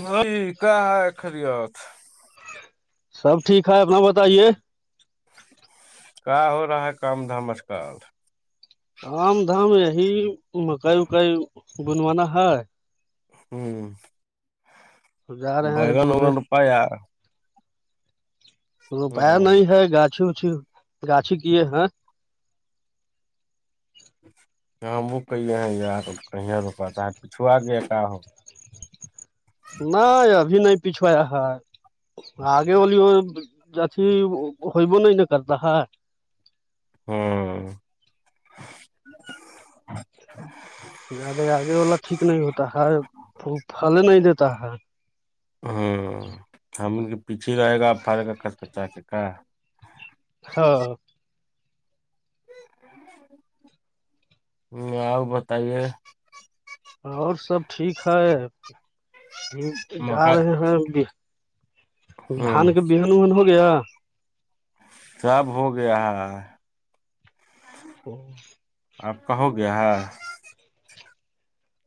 نہیں کیا ہے ا خریت سب ٹھیک ہے اپنا بتائیے کیا ہو رہا ہے کام دھمسکار رام دھام یہی مکائی اکائی بنوانا ہے ہوں جا رہے ہیں بائیگن بنے وگن روپایا روپیہ ہ نہیں ہے گاچھی وچھی گاچھی کیے ہیں ہاں ہم بک کہے ہیں تو کہ رکات پچھو آ گیا کا ہو نہیں ابھی نہیں پچھویا ہے آگے وہلی وہ جچ ہوب نہیں کرتا ہاں یاد ہے آگے والا ٹھیک نہیں ہوتا ہے پھل نہیں دیتا ہے ہوں ہم کے پیچھے رہے گا پڑے گا کچ کچا کے کا ہاں آؤ بتائیے اور سب ٹھیک ہے جا مکا رہے ہیں دھان ہوں کے بہن وہن ہو گیا سب ہو گیا ہے ہ آپ کہو گیا ہے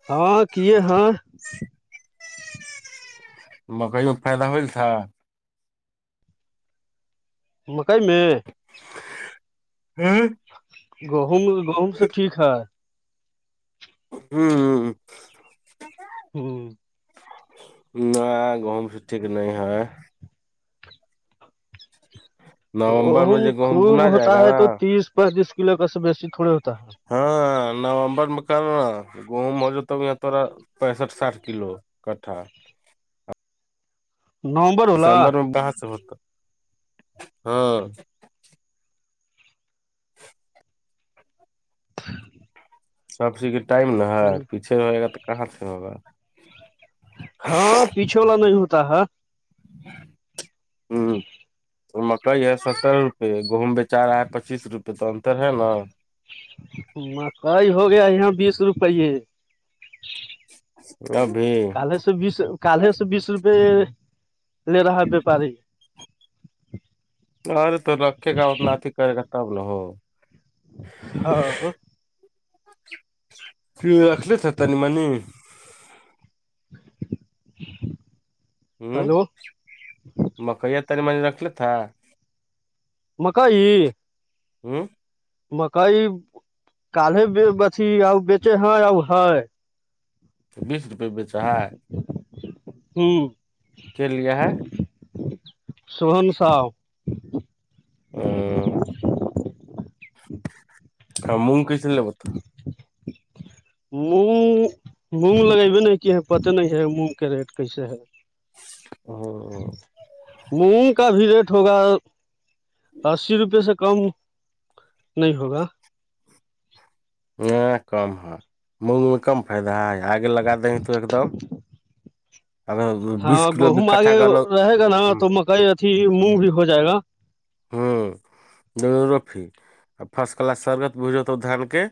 ہاں کی ہاں مکئیوں فائدہ ہول تھا مکائی میں ہوں گہوم گہوم سے ٹھیک ہے ہوں ہوں نہ گہم ٹھیک نہیں ہے نومبر میں اہوم جو گہم خوب بنا جائے ہوتا گا ہے تو نا تیس پینتیس کلو کاس بیسی تھوڑی ہوتا ہے ہاں نومبر میںکان گوم ہو تو یہ توورا پینسٹھ ساٹھ کلو کٹھا نومبر ہولا دسمبر میں باہر سے ہوتا ہاں ہ سب چیز کے ٹائم نا ہے پیچھے رہے گا تو کہاں سے ہوگا ہاں پیچھے والا نہیں ہوتا ہے ہوں مکئی ہے ستر روپ گہم بیچار رہا ہے پچیس روپے تو انتر ہے نا مکئی ہوگیا یہاں بیس روپیے ابھی کالے سے بیس کالے سے بیس روپے لے رہا ہے وپاری ارے تو رکھے گا اتناتی کرے گا تب ن ہو ہاں اخلیتا نہیں منی [inaudible] ہوں مکیا تنی رکھ تھا مکئی ہوں مکئی کالے اھی ا بیچے ہے ہے تو بیس روپے بیچا ہے ہوں کے لیا ہے سوحن ساؤ ا آ کہ بتا مونگ مونگ لگبے نہیں کہ پت نہیں ہے مونگ کے ریٹ کیسے ہے ا مونگ کا بھی ریٹ ہوگا اسی روپے سے کم نہیں ہوگا یہ کم ہے مونگ میں کم فائدہ ہے آگے لگا تو ایک دم اگر ہاں بیس کلو بھی گہم کٹھا آگے گالو رہے گا نا تو مکئی اھی مونگ بھی ہو جائے گا ہوں ڈ رفی اور فرسٹ کلاس سرگت بجت تو دھان کے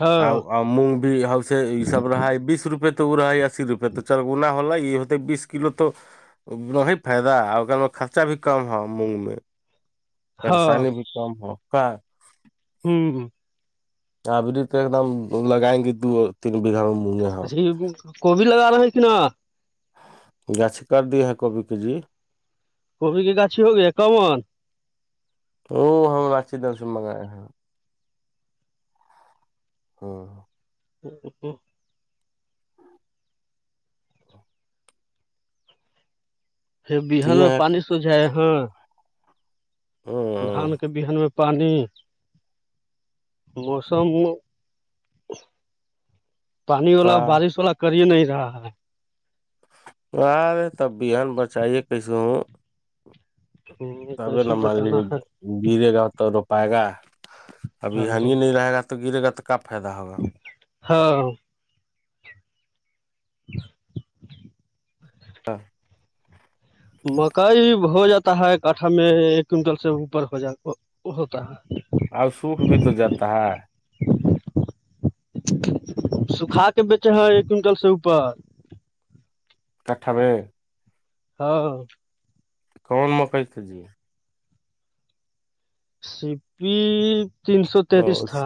ہاں آ مونگ بھی ہو سے یہ سب رہا بیس روپے تو وہ رہا اسی روپے تو چلنا ہو ہو بیس کلو تو فدا خرچہ بھی کم مونگ میں ہاں پریشانی بھی کم ہو کا ہوں اب بھی تو ایک دم لگائیں گی دو تین بیگھا مگے اچھی کوبھی لگا رہا ہے نا گاچ کر دی ہے کوبھی کے جی کوبھی کی گاچھی ہوگیا کمن وہ ہم راچی دن سے منگائے ہیں ہاں ا ا بہان کیے میں ہیں پانی سو جائے ہا ہوں دھان کے بہن میں پانی موسم پانی والا کا بارش والا کرے نہیں رہا ہے آرے تب بھی ہےان بچائیے کیسے ہوں تبے کیسے نمل بچانا ہے گرے گا تو رو پائے گا ابھی ہنی نہیں رہے گا تو گرے گا تو کب فائدہ ہوگا ہاں [inaudible] ہاں مکئی ہو جاتا ہے کٹھا میں ایک کنٹل سے اوپر ہو جات ہوتا ہے اور سوکھ بھی تو جاتا ہے سکھا کے بیچے ہے ایکٹل سے اوپر کھاب ہاں ہاں کون مکائی جیے سپی اچھ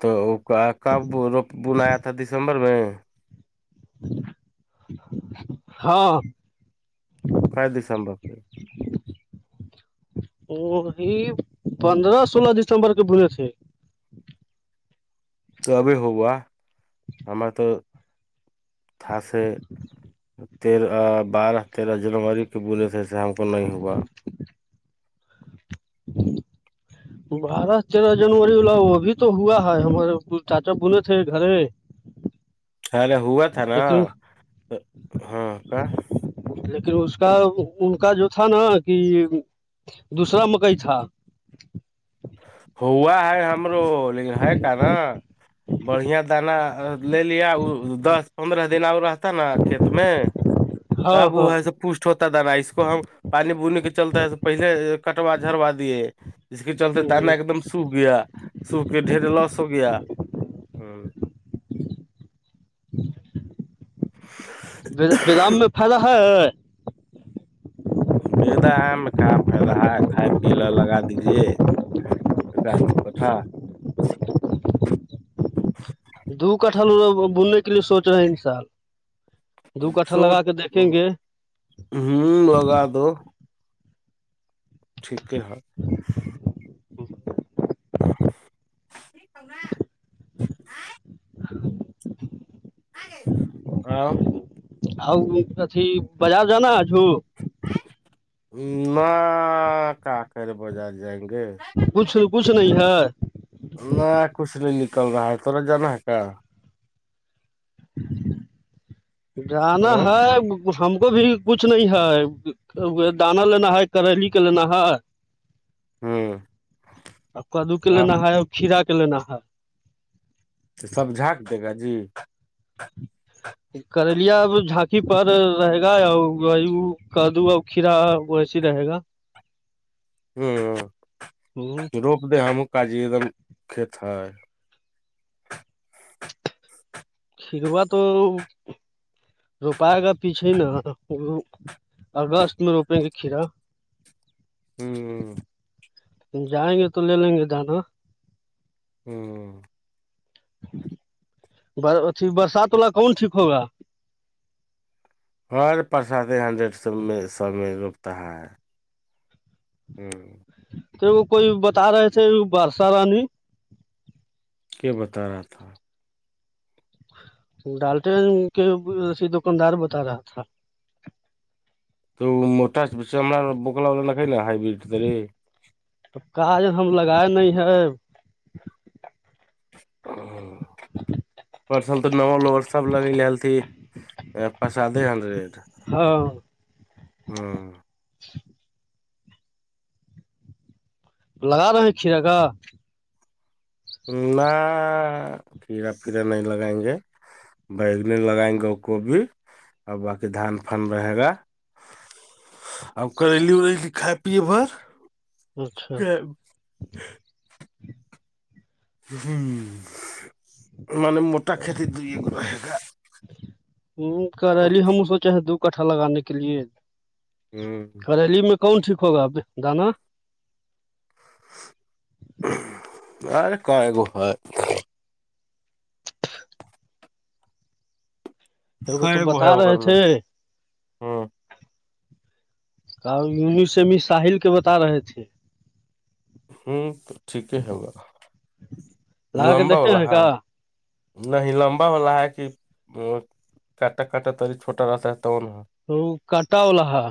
تو کب بنایا تھا دسمبر میں ہاں کردسمبو پ وہ پندرہ سولہ دسمبر کے بول تھے توبھی ہووا ہمار تو تھا سے تیرہ بارہ تیرہ جنوری کے بولے تھے ہم بنی ہوا [inaudible] بارہ تیرہ جنوری وال ل وہ ابھی تو ہوا ہے ہمارے چاچا بنے تھے گھر ارے ہوا تھا نا لیکن ہاں کہ لیکن اس کا ان کا جو تھا نا کہ دوسرا مکئی تھا ہوا ہے ہمر ک نا بڑھیا دانا لے لیا دس پندرہ دن آ رہتا نا کھیت میں ہاں تب ہاں وہ ہے سب پشٹ ہوتا ہے دانا اس کو ہم پانی بونے کے چلتے پہلے کٹوا جروا دیے اس کے چلتے دانا ایک دم سوکھ گیا سوکھ کے ڈھیر لس ہو گیا برام میں پلا ہے بیدا آم کا فائدہ ہے کائے پیلا لگا دیجیے ہے د ک تھاا دھو کٹھل بولنے کے لیے سوچ رہے ہیں انشا اللہ دو کٹھا لگا کے دیکھیں گے ہوں ہوگا دو ٹھیک ہے کگا [inaudible] ہاں ک بازار جانا جو کاکر بازار جائیں گے کچھ کچھ نہیں ہے کچھ نہیں نکل رہا ہے توڑا جانا ہے کیا جانا ہوں ہے ہم کو بھی کچھ نہیں ہے دانا لینا ہے کریلی کے لینا ہے ج آ کدو کے ہاں لینا ہے اور کھیرا کے لینا ہے تو سب جھانک دے گا جی کرلیا اب جھانکی پر رہے گا وہی کرد ا اخھیرا و ویسی رہ ہے گا [inaudible] ہ روپ د ہم کاجی ایک دم کھیت ہے کھکوا تو روپائے گا پیچھے نا اورگش میں روپیں گے کھیرا ہوں جائیں گے تو لے لیں گے دانا ہوں اھی برسات والا کون ٹھیک ہوگا ہر پرساد ہنڈریڈ سو میں سو میں رکتا ہے ہوں تو وہ کوئی بتا رہے تھے برسا رانی کیا بتا رہا تھا ڈالتے ہیں کہ ایے دکاندار بتا رہا تھا تو موٹا ہم بوکلا وکھ ہے نا ہبریڈ ترے تو کاج ہم لگائے نہیں ہے [unintelligible] [unintelligible] پرسل تو ن ل سب لگی تھی ا پرسادے ہنڈریڈ ہاں ہاں لگا رہے ہیں کھیرا کا نہ کھیڑا پھییرا نہیں لگائیں گے بیگنے لگائیں گے کو بھی اور باقی دھان فن رہے گا ا کرلی ارلی کھائے پیے بھر اچھا ہ م موٹا کھیتی دو یہ گا ہے گا ہ کرلی ہم سوچے دو کٹھا لگانے کے لیے ہوں کریلی میں کون ٹھیک ہوگا اب دانا آر کاگو ہے پ وہ تو کئے گو ہے بتا رہے اگر میں تھے ہوں ک ینیسمی ساحل کے بتا رہے تھے ہوں تو ٹھیک ہے ب لگا کے لمبا ا دیکھے ہیں رہا کا ہے نہیں لمبا والا ہے کہ کٹا کاٹا تری چھٹا راتا ہےتا تو وہ نہا تو کاٹا ولہحا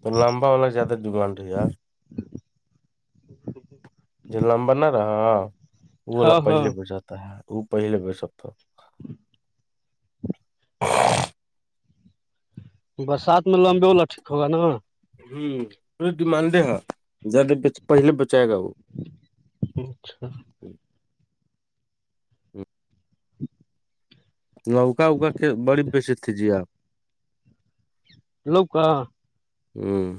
تو لمبا والا زیادہ ڈیمانڈ ہے یار ج لمبر نہ رہا وہ وال ہاں ہاں پہلے ب جتا ہے ا پہلے بی ستا برسات میں لمبے وا ٹھیک ہوگا ناا ہ پے ڈمانڈ دے ہا زدہ پہلے بچائے گا وہ اچھا ہاں [unintelligible] نوکا اوکا بڑی پش تھی جی آپ لوکا ہوں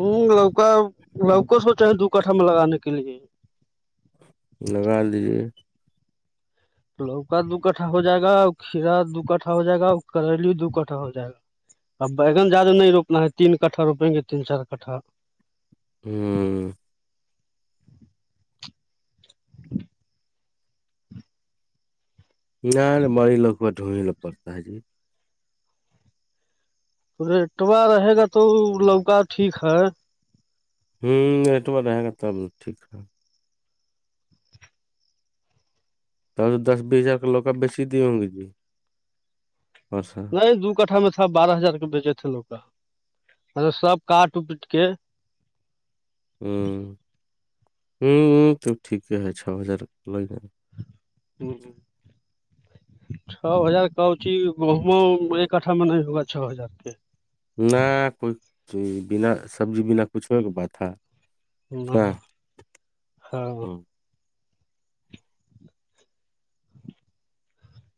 ہوں لوکا لوکا سوچا ہے دو کٹھا میں لگانے کے لیے لگا لیجیے لوکا دو کٹھا ہو جائے گا اور کھیرا دو کٹھا ہو جائے گا اور کریلی دو کٹھا ہو جائے گا اب بگ ج زدہ نہیں روپنا ہے تین کٹھا روپیں گےین چار کٹھا ہوں نہ بڑی لوگ کو ڈھونگی ل پڑتا ہے جی ریٹوا رہے گا تو لوکا ٹھیک ہے ہوں ریٹ ب رہے گا تب ٹھیک اک تو تو دس بیس ہزار کا لوگا بسیی د ہ گی جی اورچ سر نہیں دو کٹھا میں تھا بارہ ہزار کے بیچے تھے لوگ کا مطل سب کاٹ اپٹ کے ہ ہ تو ٹھیک ہے چھ ہزار ل ن [unintelligible] چھو ہزار کاچی گہموں ایکٹھا میں نہیں ہوگا چھ ہزار کے نہ کوئی بنا سبزی بنا کچھ ہو کے بات تھا ہ کیا ہاں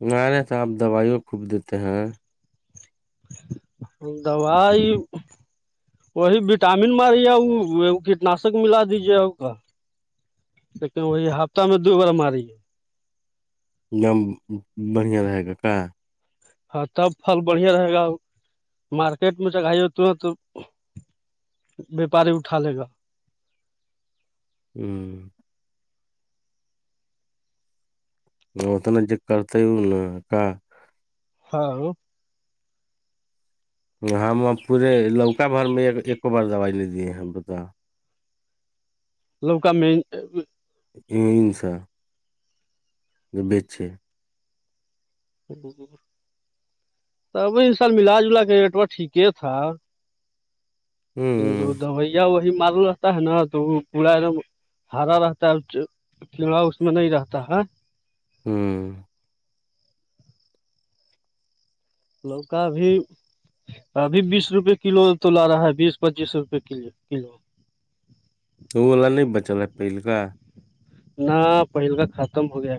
نہ رہے تو آپ دوائیوں خوب دیتے ہیں دوائی وہی وٹامن مارییا کیٹناشک ملا دیجیے آپ کا لیکن وہی ہفتہ میں دو بار ماری ہے دم بڑھیا رہے گ کا ہاں تب فل بڑھیا رہے گا مارکیٹ میں جگائی تورت ویاپاری اٹھا لے گا ہوں اتنا جو کرتے ہے ا ن کا ہاں ہم پورے لوکا بھر میں ایکو بار دوائی لے دیے ہیں بتا لوکا میں یہ س بیچے ت اب ان شاء ال ملا جلا کے ریٹ وہا ٹھیک تھا تو دویا وہی مار رہتا ہے نا تو وہ پورا ایک دم ہارا رہتا ہے کیڑا اس میں نہیں رہتا ہے ہوں لوگ کا بھیھی ابھی بیس روپے کلو تو لا رہا ہے بیس پچیس روپئے کلو کلو تو اوا نہیں بچا ہے پہلک نہ پہل کا ختم ہو گیا